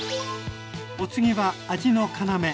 お次は味の要。